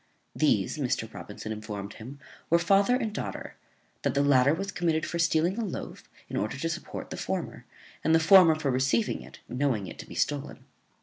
These, Mr. Robinson informed him, were father and daughter; that the latter was committed for stealing a loaf, in order to support the former, and the former for receiving it, knowing it to be stolen.